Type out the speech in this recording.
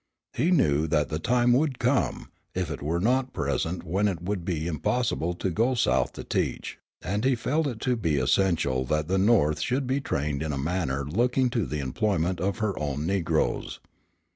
He knew that the time would come, if it were not present when it would be impossible to go South to teach, and he felt it to be essential that the North should be trained in a manner looking to the employment of her own negroes.